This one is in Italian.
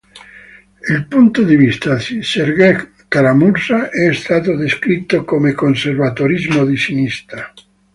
Il punto di vista di Sergej Kara-Murza è stato descritto come "conservatorismo di sinistra".